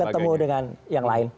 ketemu dengan yang lain